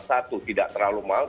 satu tidak terlalu mahal